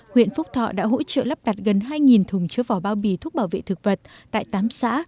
huyện phúc thọ đã hỗ trợ lắp đặt gần hai thùng chứa vỏ bao bì thuốc bảo vệ thực vật tại tám xã